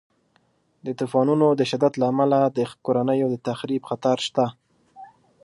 د طوفانونو د شدت له امله د کورنیو د تخریب خطر شته.